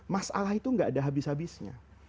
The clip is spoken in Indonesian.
masalah itu gak ada habis habisnya